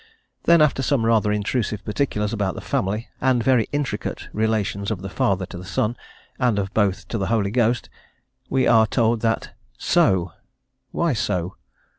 Then, after some rather intrusive particulars about the family (and very intricate) relations of the Father to the Son, and of both to the Holy Ghost, we are told that "so" why so?